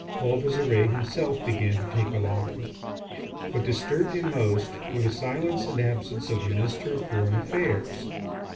Paul Visire himself began to take alarm. What disturbed him most were the silence and absence of the Minister of Foreign Affairs.